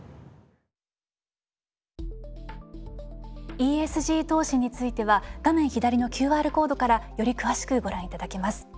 ＥＳＧ投資については画面左のＱＲコードからより詳しくご覧いただけます。